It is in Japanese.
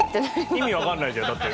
意味わかんないじゃんだって。